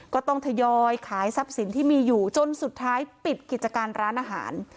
ก็ต้องทยอยขายทรัพย์สินที่มีอยู่จนสุดท้ายปิดกิจการร้านอาหาร